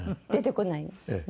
出てこない。